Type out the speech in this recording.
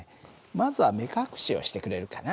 まずは目隠しをしてくれるかな。